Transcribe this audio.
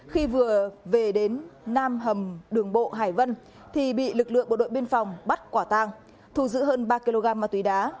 khi vừa về đến nam hầm đường bộ hải vân thì bị lực lượng bộ đội biên phòng bắt quả tang thù giữ hơn ba kg ma túy đá